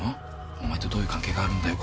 お前とどういう関係があるんだよ？